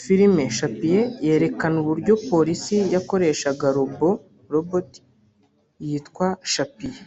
Filime Chappie yerekana uburyo polisi yakoreshaga robo (Robot) yitwa Chappie